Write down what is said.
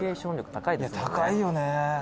「高いよね」